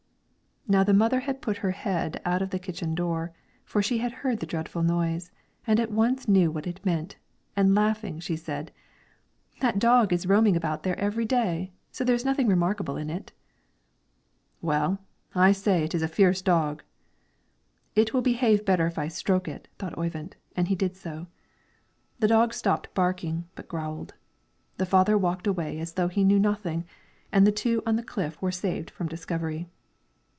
Now the mother had put her head out of the kitchen door, for she had heard the dreadful noise, and at once knew what it meant; and laughing, she said, "That dog is roaming about there every day, so there is nothing remarkable in it." "Well, I must say it is a fierce dog." "It will behave better if I stroke it," thought Oyvind, and he did so. The dog stopped barking, but growled. The father walked away as though he knew nothing, and the two on the cliff were saved from discovery.